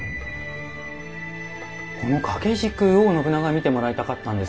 この掛け軸を信長は見てもらいたかったんですか。